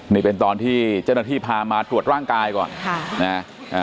นี่เป็นตอนที่เจ้าหน้าที่พามาตรวจร่างกายก่อนค่ะนะ